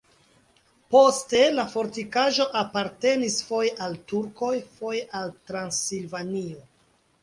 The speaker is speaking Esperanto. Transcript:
Poste la fortikaĵo apartenis foje al turkoj, foje al Transilvanio.